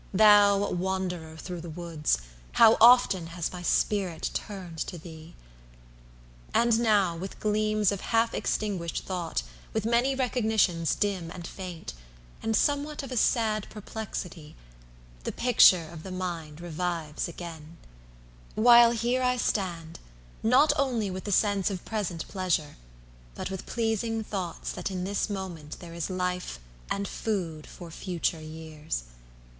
thou wanderer thro' the woods, How often has my spirit turned to thee! And now, with gleams of half extinguished thought, With many recognitions dim and faint, And somewhat of a sad perplexity, 60 The picture of the mind revives again: While here I stand, not only with the sense Of present pleasure, but with pleasing thoughts That in this moment there is life and food For future years.